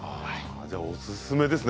おすすめですね。